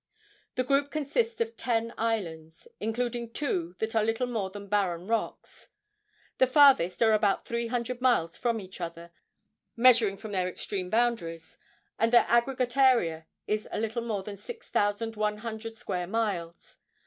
The group consists of ten islands, including two that are little more than barren rocks. The farthest are about three hundred miles from each other, measuring from their extreme boundaries, and their aggregate area is a little more than six thousand one hundred square miles.